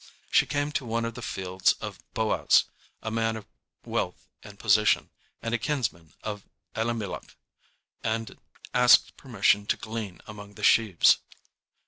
She came to one of the fields of Boaz, a man of wealth and position, and a kinsman of Elimelech, and asked permission to glean among the sheaves.